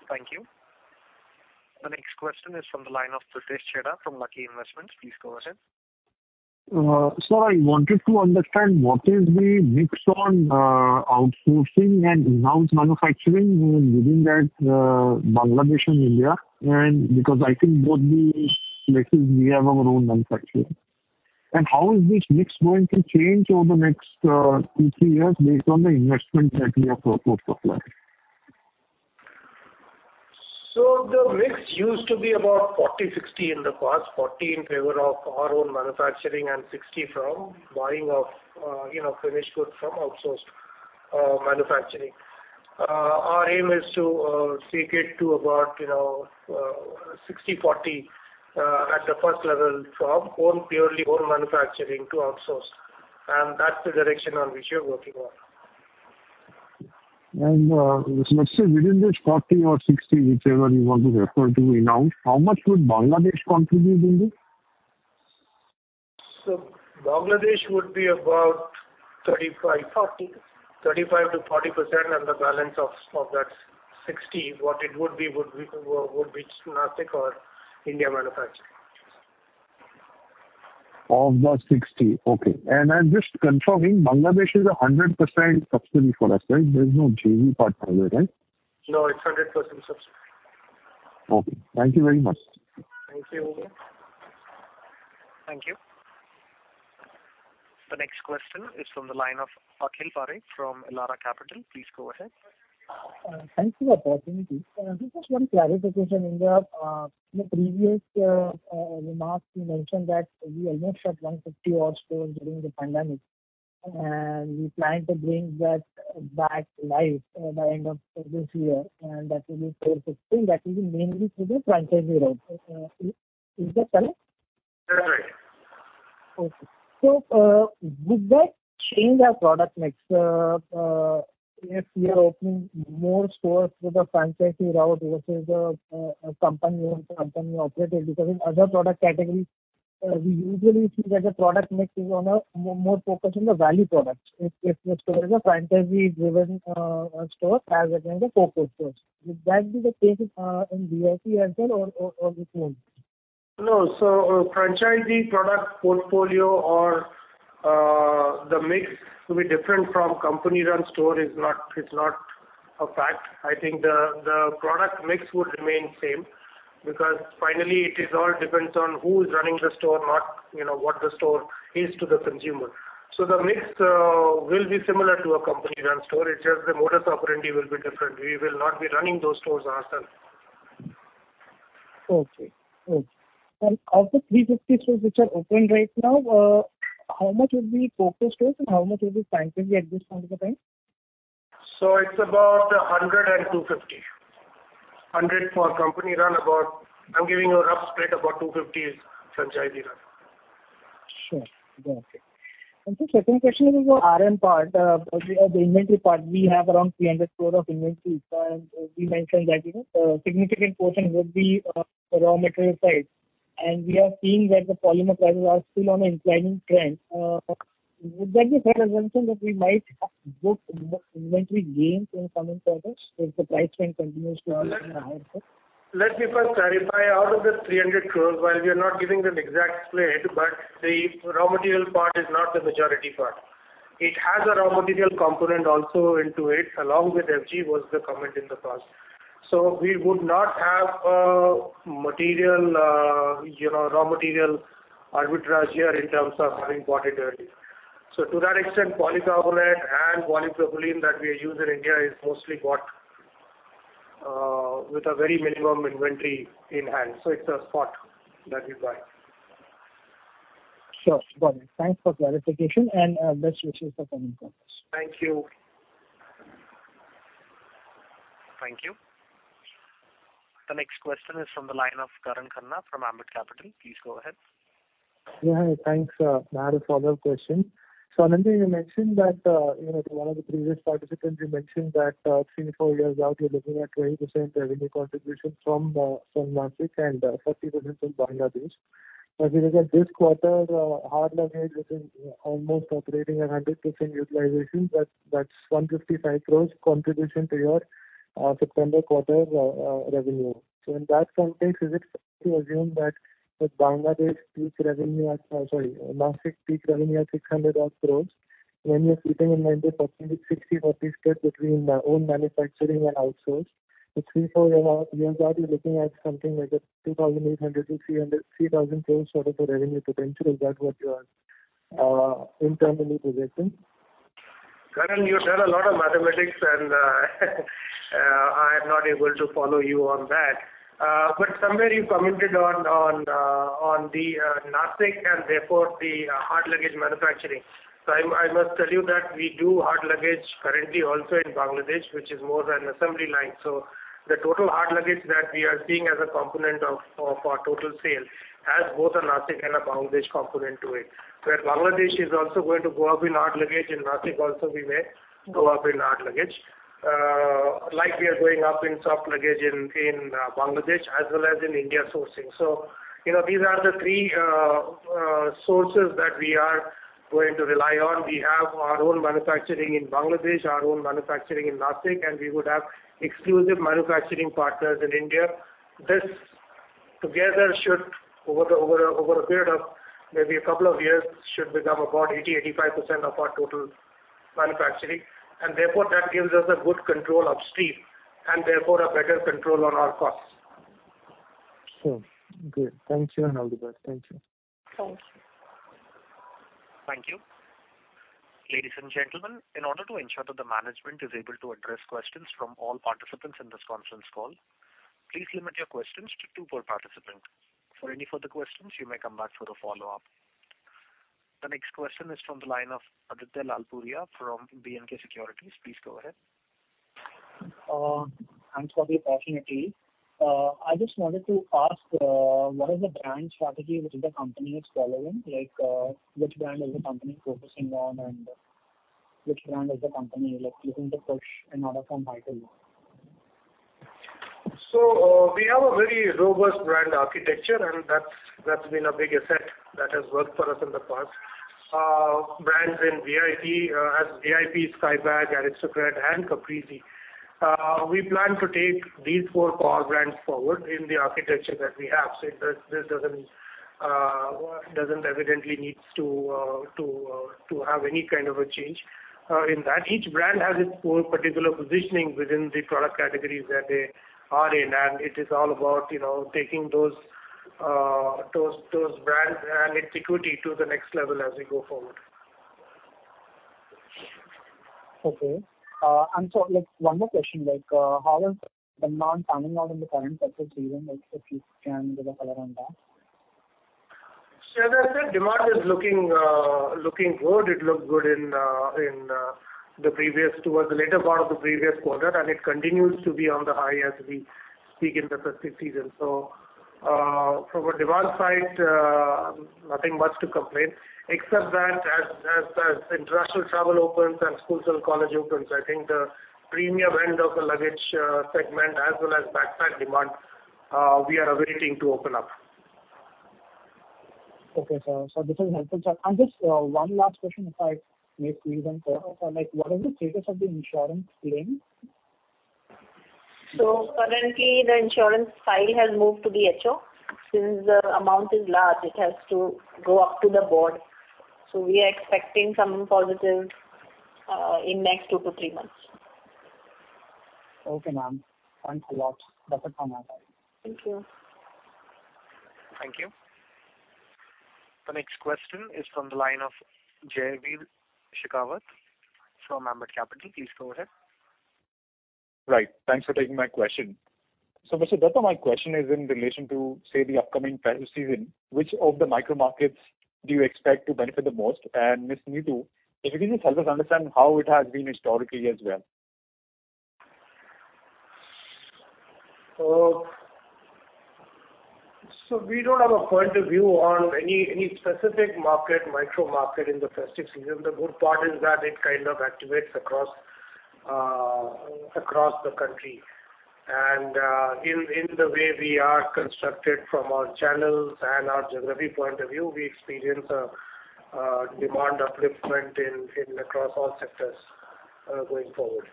Thank you. The next question is from the line of Pritesh Chheda from Lucky Investment Managers. Please go ahead. Sir, I wanted to understand what is the mix on outsourcing and in-house manufacturing within that, Bangladesh and India, and because I think both the places we have our own manufacturing. How is this mix going to change over the next 2-3 years based on the investment that we have for supply? So the mix used to be about 40/60 in the past, 40 in favor of our own manufacturing and 60 from buying of, you know, finished goods from outsourced manufacturing. Our aim is to take it to about, you know, 60/40, at the first level from own purely own manufacturing to outsourced. And that's the direction on which we are working on. Let's say within this 40 or 60, whichever you want to refer to in-house, how much would Bangladesh contribute in this? Bangladesh would be about 35. 40. 35%-40%, and the balance of that 60, what it would be would be Nashik or India manufacturing. Of the 60. Okay. And I'm just confirming, Bangladesh is 100% subsidiary for us, right? There's no JV partner there, right? No. It's 100% subsidy. Okay. Thank you very much. Thank you. Thank you. The next question is from the line of Akhil Parekh from Elara Capital. Please go ahead. Thanks for the opportunity. This is one clarification. In the previous remarks, you mentioned that we almost shut 150 outlets during the pandemic. We plan to bring that back to life by end of this year. That will be 416. That will be mainly through the franchisee route. Is that correct? That's right. Okay. So, would that change our product mix, if we are opening more stores through the franchisee route versus a company-owned company operated? Because in other product categories, we usually see that the product mix is more focused on the value product if the store is a franchisee-driven store as against a focused store. Would that be the case in VIP as well, or it won't? No. So, franchisee product portfolio or the mix to be different from company-run store is not. It's not a fact. I think the product mix would remain same because finally, it is all depends on who is running the store, not, you know, what the store is to the consumer. So the mix will be similar to a company-run store. It's just the modus operandi will be different. We will not be running those stores ourselves. Okay. Okay. Of the 350 stores which are open right now, how much would be focused stores, and how much would be franchisee at this point of the time? So it's about 100 and 250. 100 for company-run, about (I'm giving you a rough spread) 250 is franchisee-run. Sure. Got it. And so second question is about RM part, the inventory part. We have around 300 crore of inventory. And we mentioned that, you know, a significant portion would be raw material side. And we are seeing that the polymer prices are still on an inclining trend. Would that be a fair assumption that we might book more inventory gains in the coming quarters if the price trend continues to be higher? Let me first clarify. Out of the 300 crore, while we are not giving an exact spread, but the raw material part is not the majority part. It has a raw material component also into it, along with FG was the comment in the past. So we would not have a material, you know, raw material arbitrage here in terms of having bought it early. So to that extent, polycarbonate and polypropylene that we use in India is mostly bought, with a very minimum inventory in hand. So it's a spot that we buy. Sure. Got it. Thanks for clarification. Best wishes for coming quarters. Thank you. Thank you. The next question is from the line of Karan Khanna from Ambit Capital. Please go ahead. Yeah. Hi. Thanks to have a follow-up question. So Anindya, you mentioned that, you know, to one of the previous participants, you mentioned that, 3-4 years out, you're looking at 20% revenue contribution from, from Nashik and, 40% from Bangladesh. But if you look at this quarter, hard luggage is almost operating at 100% utilization. That, that's 155 crores contribution to your, September quarter, revenue. So in that context, is it fair to assume that, that Bangladesh peak revenue at sorry, Nashik peak revenue at 600-odd crores? And then you're keeping in mind the 40-60/40 spread between own manufacturing and outsource. So 3-4 years out, you're looking at something like 2,800-3,000 crores sort of a revenue potential. Is that what you are, internally projecting? Karan, you've done a lot of mathematics, and I am not able to follow you on that. But somewhere, you commented on the Nashik and therefore the hard luggage manufacturing. So I must tell you that we do hard luggage currently also in Bangladesh, which is more than assembly line. So the total hard luggage that we are seeing as a component of our total sale has both a Nashik and a Bangladesh component to it, where Bangladesh is also going to go up in hard luggage. And Nashik also, we may go up in hard luggage, like we are going up in soft luggage in Bangladesh as well as in India sourcing. So, you know, these are the three sources that we are going to rely on. We have our own manufacturing in Bangladesh, our own manufacturing in Nashik, and we would have exclusive manufacturing partners in India. This together should, over a period of maybe a couple of years, should become about 80%-85% of our total manufacturing. And therefore, that gives us a good control upstream and therefore a better control on our costs. Sure. Good. Thank you, Anindya bhai. Thank you. Thank you. Thank you. Ladies and gentlemen, in order to ensure that the management is able to address questions from all participants in this conference call, please limit your questions to two per participant. For any further questions, you may come back for a follow-up. The next question is from the line of Aditya Lalpuria from B&K Securities. Please go ahead. Thanks for the opportunity. I just wanted to ask, what is the brand strategy which the company is following? Like, which brand is the company focusing on, and which brand is the company, like, looking to push in order from high to low? So, we have a very robust brand architecture, and that's been a big asset that has worked for us in the past. Brands in VIP, as VIP, Skybags, Aristocrat, and Caprese, we plan to take these four core brands forward in the architecture that we have. So it does; this doesn't evidently need to have any kind of a change, in that. Each brand has its own particular positioning within the product categories that they are in. And it is all about, you know, taking those brands and its equity to the next level as we go forward. Okay. Answer, like, one more question. Like, how is demand panning out in the current festive season? Like, if you can give a color on that. Sir, as I said, demand is looking good. It looked good in the previous towards the later part of the previous quarter. It continues to be on the high as we speak in the festive season. So, from a demand side, nothing much to complain except that as international travel opens and schools and college opens, I think the premium end of the luggage segment as well as backpack demand, we are awaiting to open up. Okay, sir. So, this is helpful, sir. And just, one last question if I may squeeze in. Sir, sir, like, what is the status of the insurance claim? Currently, the insurance file has moved to the HO. Since the amount is large, it has to go up to the board. We are expecting some positive, in next 2-3 months. Okay, ma'am. Thanks a lot. That's it from my side. Thank you. Thank you. The next question is from the line of Jaiveer Shekhawat from Ambit Capital. Please go ahead. Right. Thanks for taking my question. So, Mr. Dutta, my question is in relation to, say, the upcoming festive season. Which of the micromarkets do you expect to benefit the most? And, Ms. Neetu, if you can just help us understand how it has been historically as well. We don't have a point of view on any specific market, micromarket in the festive season. The good part is that it kind of activates across the country. In the way we are constructed from our channels and our geography point of view, we experience a demand upliftment across all sectors, going forward.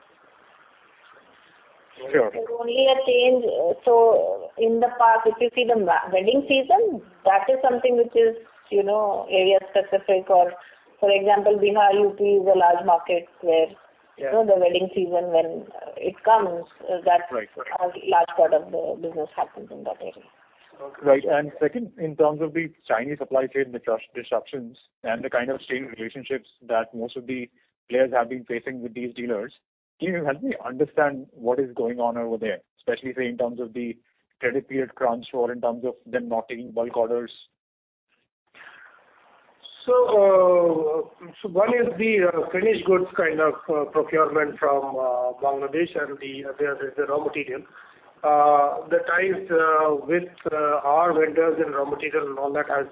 Sure. We can only attain so in the past, if you see the wedding season, that is something which is, you know, area-specific. Or for example, Bihar, UP is a large market where, you know, the wedding season when it comes, that's a large part of the business happens in that area. Okay. Right. And second, in terms of the Chinese supply chain disruptions and the kind of strained relationships that most of the players have been facing with these dealers, can you help me understand what is going on over there, especially, say, in terms of the credit period crunch or in terms of them not taking bulk orders? So one is the finished goods kind of procurement from Bangladesh and the raw material. The ties with our vendors and raw material and all that has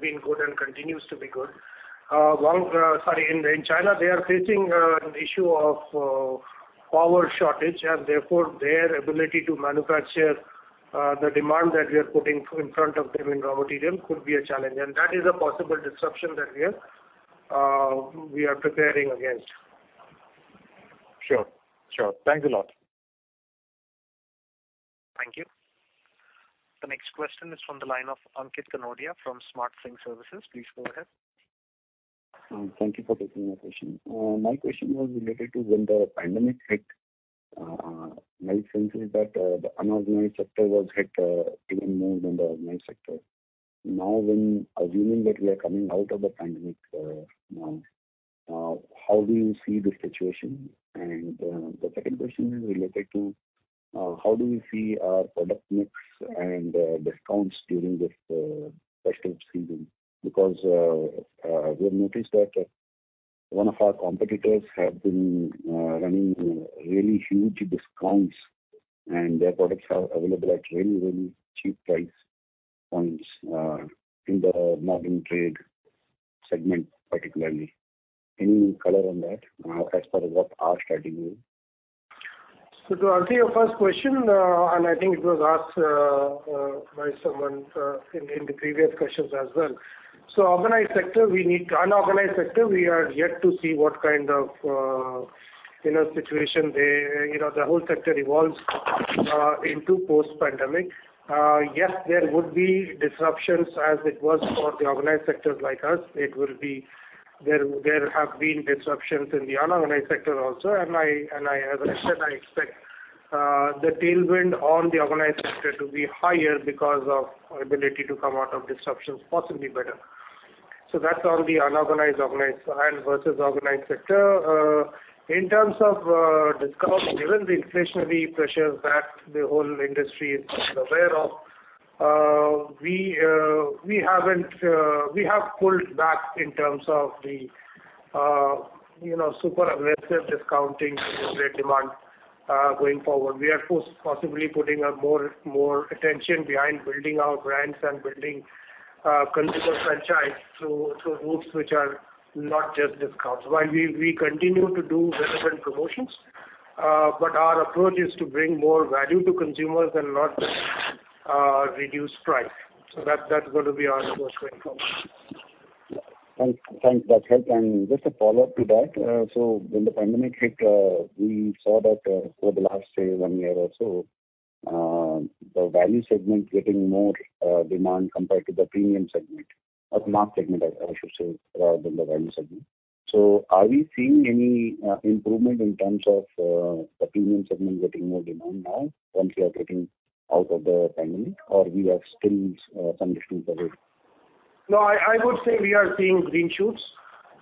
been good and continues to be good. Well, sorry, in China, they are facing an issue of power shortage. And therefore, their ability to manufacture the demand that we are putting in front of them in raw material could be a challenge. And that is a possible disruption that we are preparing against. Sure. Sure. Thanks a lot. Thank you. The next question is from the line of Ankit Kanodia from Smart Sync Services. Please go ahead. Thank you for taking my question. My question was related to when the pandemic hit. My sense is that the unorganized sector was hit even more than the organized sector. Now, assuming that we are coming out of the pandemic, now, how do you see the situation? And the second question is related to how do you see our product mix and discounts during this festive season? Because we have noticed that one of our competitors have been running really huge discounts. And their products are available at really, really cheap price points in the modern trade segment particularly. Any color on that as far as what our strategy is? So, to answer your first question, and I think it was asked by someone in the previous questions as well. So, organized sector versus unorganized sector, we are yet to see what kind of, you know, situation there, you know, the whole sector evolves into post-pandemic. Yes, there would be disruptions as it was for the organized sectors like us. It will be there. There have been disruptions in the unorganized sector also. And I, as I said, I expect the tailwind on the organized sector to be higher because of ability to come out of disruptions possibly better. So that's on the unorganized versus organized sector. In terms of discounts, given the inflationary pressures that the whole industry is aware of, we have pulled back in terms of the, you know, super aggressive discounting in the trade demand, going forward. We are possibly putting more attention behind building out brands and building consumer franchise through routes which are not just discounts. While we continue to do relevant promotions, but our approach is to bring more value to consumers and not just reduce price. So that's going to be our approach going forward. Thanks. Thanks, that helps. And just a follow-up to that. So when the pandemic hit, we saw that, over the last, say, one year or so, the value segment getting more demand compared to the premium segment or the mass segment, I, I should say, rather than the value segment. So are we seeing any improvement in terms of the premium segment getting more demand now once we are getting out of the pandemic, or we have still some distance ahead? No, I would say we are seeing green shoots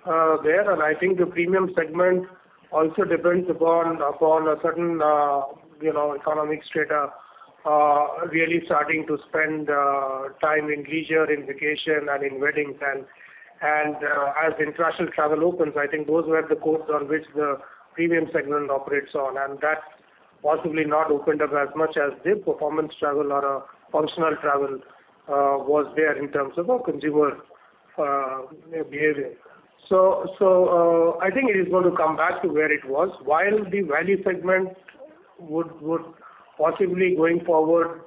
there. And I think the premium segment also depends upon a certain, you know, economic strata really starting to spend time in leisure, in vacation, and in weddings. And as international travel opens, I think those were the cues on which the premium segment operates on. And that possibly not opened up as much as the business travel or functional travel was there in terms of consumer behavior. So I think it is going to come back to where it was. While the value segment would possibly going forward,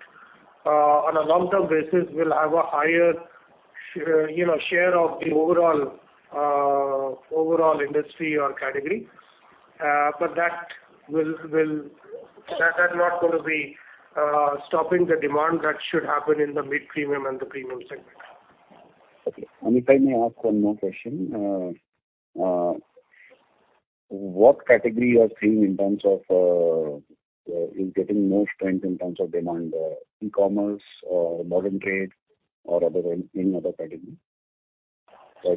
on a long-term basis, will have a higher share, you know, of the overall industry or category. But that will not be stopping the demand that should happen in the mid-premium and the premium segment. Okay. If I may ask one more question, what category you are seeing in terms of, is getting more strength in terms of demand, e-commerce or modern trade or other any other category?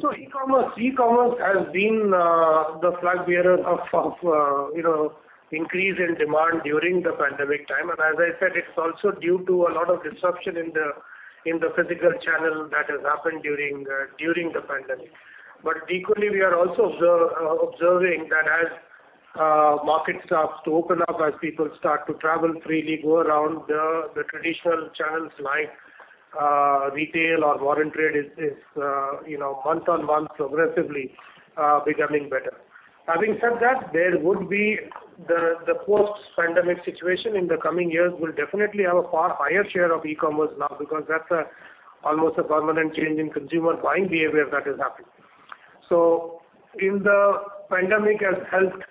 So e-commerce. E-commerce has been the flag-bearer of, you know, increase in demand during the pandemic time. As I said, it's also due to a lot of disruption in the physical channel that has happened during the pandemic. But equally, we are also observing that as market starts to open up, as people start to travel freely, go around the traditional channels like retail or modern trade is, you know, month-on-month progressively becoming better. Having said that, the post-pandemic situation in the coming years will definitely have a far higher share of e-commerce now because that's almost a permanent change in consumer buying behavior that has happened. So in the pandemic has helped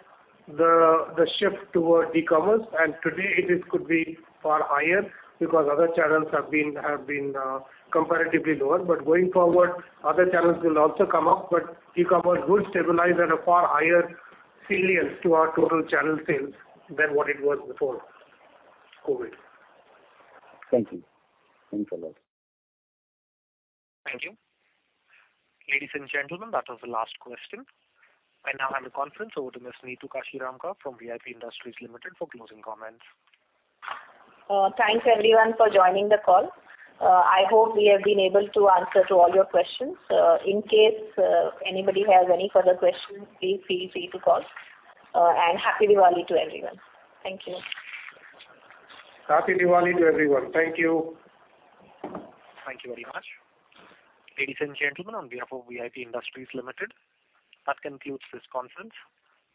the shift toward e-commerce. And today, it is could be far higher because other channels have been comparatively lower. But going forward, other channels will also come up. But e-commerce would stabilize at a far higher salience to our total channel sales than what it was before COVID. Thank you. Thanks a lot. Thank you. Ladies and gentlemen, that was the last question. I now hand the conference over to Ms. Neetu Kashiramka from VIP Industries Limited for closing comments. Thanks, everyone, for joining the call. I hope we have been able to answer to all your questions. In case anybody has any further questions, please feel free to call. Happy Diwali to everyone. Thank you. Happy Diwali to everyone. Thank you. Thank you very much. Ladies and gentlemen, on behalf ofVIP Industries Limited, that concludes this conference.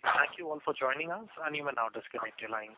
Thank you all for joining us. You may now disconnect your lines.